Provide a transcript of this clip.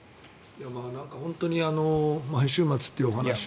本当に毎週末というお話を。